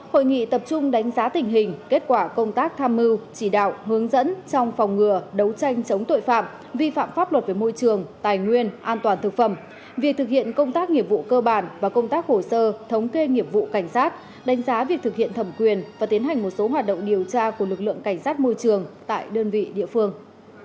theo báo cáo của cục cảnh sát phòng chống tội phạm về môi trường tài nguyên an toàn thực phẩm vi phạm pháp luật về môi trường tài nguyên an toàn thực phẩm việc thực hiện công tác nghiệp vụ cơ bản và công tác hồ sơ thống kê nghiệp vụ cảnh sát đánh giá việc thực hiện thẩm quyền và tiến hành một số hoạt động điều tra của lực lượng cảnh sát môi trường tại đơn vị địa phương